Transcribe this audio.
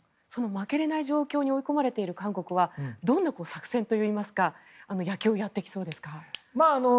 負けれない状態に追い込まれている韓国は、どんな作戦といいますか野球をやってきそうですか。